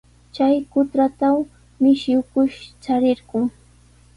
Chay kutatraw mishi ukush charirqun.